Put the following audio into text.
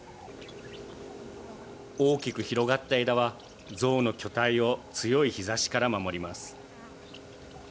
大きく広がった枝は、象の巨体を強い日ざしから守ります。